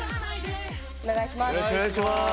お願いします。